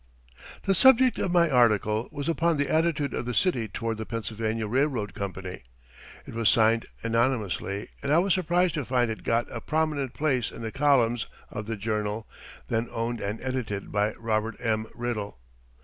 The subject of my article was upon the attitude of the city toward the Pennsylvania Railroad Company. It was signed anonymously and I was surprised to find it got a prominent place in the columns of the "Journal," then owned and edited by Robert M. Riddle.